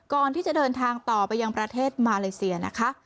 ก่อนที่จะเดินทางต่อไปยังประเทศมาเลเซียนะคะ